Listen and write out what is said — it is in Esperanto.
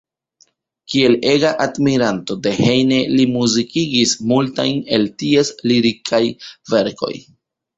Kiel ega admiranto de Heine li muzikigis multajn el ties lirikaj verkoj.